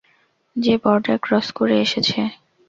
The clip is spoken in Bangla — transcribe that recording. যে বর্ডার ক্রস করে এসেছে।